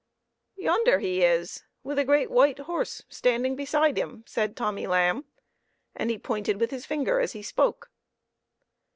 " Yonder he is, with a great white horse standing beside him," said Tommy Lamb, and he pointed with his finger as he spoke.